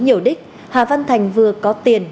nhiều đích hà văn thành vừa có tiền